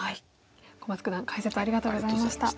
小松九段解説ありがとうございました。